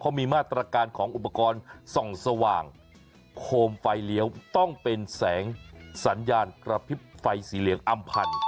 เขามีมาตรการของอุปกรณ์ส่องสว่างโคมไฟเลี้ยวต้องเป็นแสงสัญญาณกระพริบไฟสีเหลืองอำพันธ์